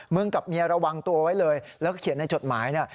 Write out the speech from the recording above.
กับเมียระวังตัวไว้เลยแล้วก็เขียนในจดหมายเนี่ย